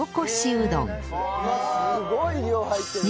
すごい量入ってるね。